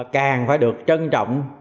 càng phải được trân trọng